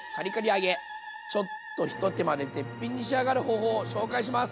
ちょっと一手間で絶品に仕上がる方法を紹介します！